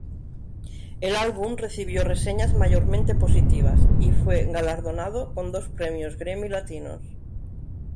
El álbum recibió reseñas mayormente positivas y fue galardonado con dos premios Grammy Latinos.